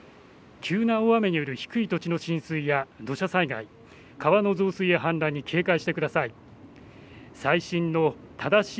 急な大雨による低い土地の浸水や土砂災害、川の増水や氾濫に警戒してください。